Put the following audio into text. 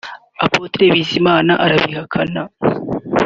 Apôtre Bizimana arabihakana